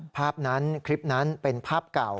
ภาพนั้นคลิปนั้นเป็นภาพเก่า